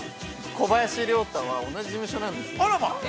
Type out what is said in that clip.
◆小林亮太は同じ事務所なんですよ。